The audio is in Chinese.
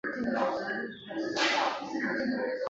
如今南面这两层的外廊已经被装上窗户。